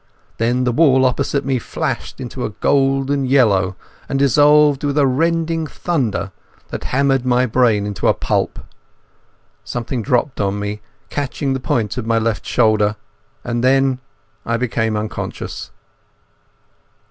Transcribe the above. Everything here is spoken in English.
Then the wall opposite me flashed into a golden yellow and dissolved with a rending thunder that hammered my brain into a pulp. Something dropped on me, catching the point of my left shoulder. And then I think I became unconscious.